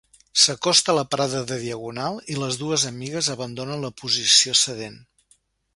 S'acosta la parada de Diagonal i les dues amigues abandonen la posició sedent.